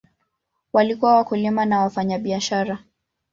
Walikuwa wakulima na wafanyabiashara.